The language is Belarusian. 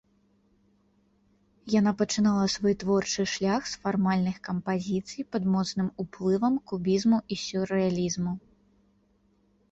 Яна пачынала свой творчы шлях з фармальных кампазіцый пад моцным уплывам кубізму і сюррэалізму.